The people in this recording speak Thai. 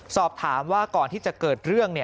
สอบถามว่าก่อนที่จะเกิดเรื่อง